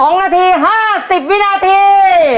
๒นาที๕๐วินาที